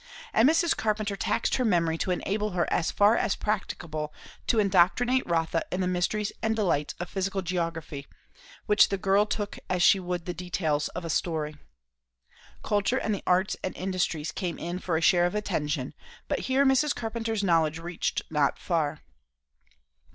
And Mrs. Carpenter taxed her memory to enable her as far as practicable to indoctrinate Rotha in the mysteries and delights of physical geography, which the girl took as she would the details of a story. Culture and the arts and industries came in for a share of attention; but here Mrs. Carpenter's knowledge reached not far.